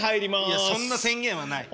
いやそんな宣言はない。